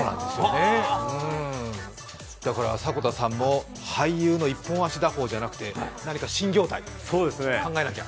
迫田さんも俳優の一本足打法じゃなくて何か新業態を考えなきゃ。